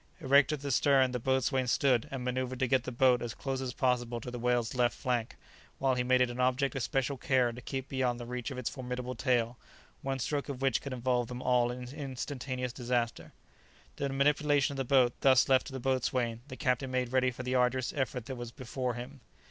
Erect at the stern the boatswain stood, and manoeuvred to get the boat as close as possible to the whale's left flank, while he made it an object of special care to keep beyond the reach of its formidable tail, one stroke of which could involve them all in instantaneous disaster. The manipulation of the boat thus left to the boatswain, the captain made ready for the arduous effort that was before him.